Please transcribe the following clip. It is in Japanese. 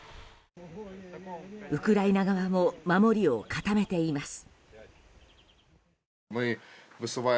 ウクライナ側も守りを固めています。